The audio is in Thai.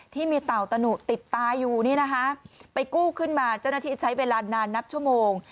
เต่าตะหนุติดตาอยู่นี่นะคะไปกู้ขึ้นมาเจ้าหน้าที่ใช้เวลานานนับชั่วโมง